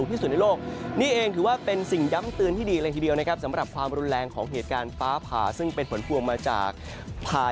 ที่ผ่านมาเป็นไปตามคาดที่คาดการณ์ไว้ตั้งแต่จับตามเตือนไภมั่ววานนี้ว่า